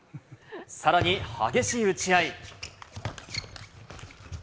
さらに激しい打ち合い。